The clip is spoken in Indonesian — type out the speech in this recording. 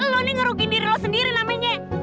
lo ini ngerugin diri lo sendiri namanya